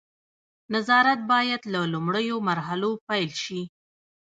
نظارت باید له لومړیو مرحلو پیل شي.